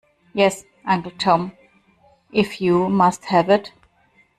Yes, Uncle Tom, if you must have it.